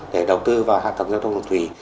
để đầu tư vào hạ tầng giao thông đường thủy